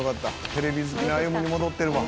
「テレビ好きのあゆむに戻ってるわ」